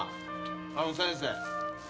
あの先生。